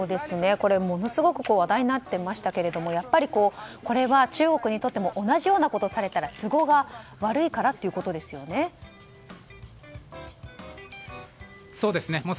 これは、ものすごく話題になっていましたけれどもこれは中国にとっても同じようなことをされたら都合が悪いからということですよね。